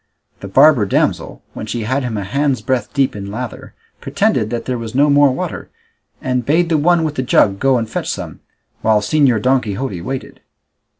The barber damsel, when she had him a hand's breadth deep in lather, pretended that there was no more water, and bade the one with the jug go and fetch some, while Señor Don Quixote waited.